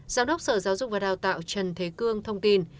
giám đốc sở giáo dục và đào tạo trần thế cương thông tin